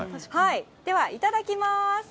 ではいただきます。